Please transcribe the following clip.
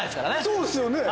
そうっすよね！